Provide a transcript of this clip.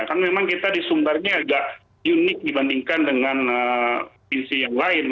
karena memang kita disumbarnya agak unik dibandingkan dengan visi yang lain